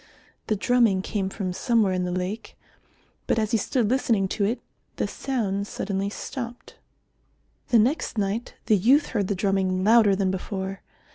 The drumming came from somewhere in the lake, but as he stood listening to it, the sound suddenly stopped. The next night the youth heard the drumming louder than before.